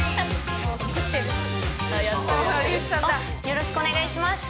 「よろしくお願いします。